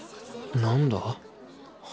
なんだ？